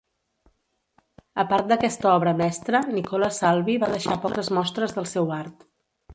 A part d'aquesta obra mestra, Nicola Salvi va deixar poques mostres del seu art.